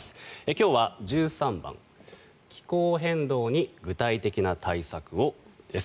今日は１３番「気候変動に具体的な対策を」。